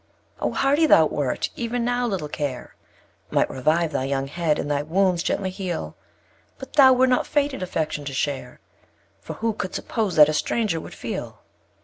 4. Oh! hardy thou wert even now little care Might revive thy young head, and thy wounds gently heal: But thou wert not fated affection to share For who could suppose that a Stranger would feel?